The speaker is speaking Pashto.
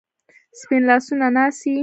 سپین لاسونه ناڅي